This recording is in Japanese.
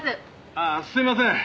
「ああすみません。